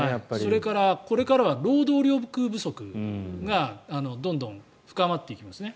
それからこれからは労働力不足がどんどん深まっていきますね。